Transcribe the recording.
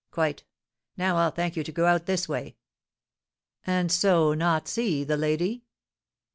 "Quite. Now I'll thank you to go out this way." "And so not see the lady?"